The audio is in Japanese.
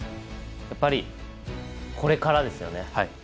やっぱりこれからですよね。